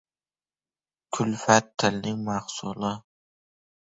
• Kulfat — tilning mahsuli.